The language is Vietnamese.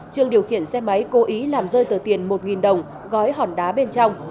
trương điều khiển xe máy cố ý làm rơi tờ tiền một đồng gói hòn đá bên trong